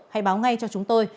hãy báo ngay cho chúng tôi